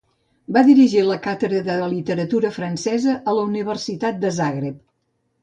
Va dirigir la Càtedra de Literatura Francesa a la Universitat de Zagreb.